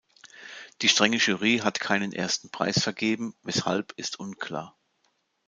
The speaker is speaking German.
Die strenge Jury hatte keinen ersten Preis vergeben, weshalb ist unklar.